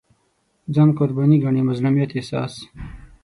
ځان قرباني ګڼي مظلومیت احساس